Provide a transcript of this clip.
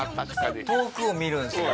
遠くを見るんですね。